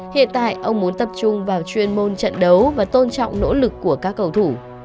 hiện tại ông muốn tập trung vào chuyên môn trận đấu và tôn trọng nỗ lực của các cầu thủ